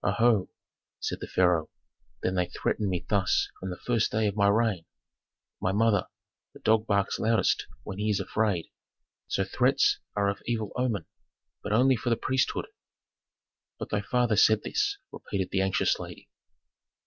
'" "Oho!" said the pharaoh, "then they threaten me thus from the first day of my reign. My mother, a dog barks loudest when he is afraid; so threats are of evil omen, but only for the priesthood." "But thy father said this," repeated the anxious lady.